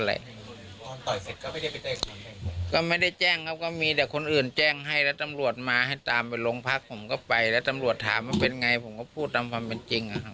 แหละก็ไม่ได้แจ้งครับก็มีแต่คนอื่นแจ้งให้แล้วตำรวจมาให้ตามไปโรงพักผมก็ไปแล้วตำรวจถามว่าเป็นไงผมก็พูดตามความเป็นจริงอะครับ